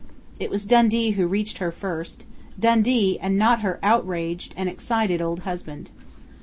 It was Dundee who reached her first Dundee and not her outraged and excited old husband.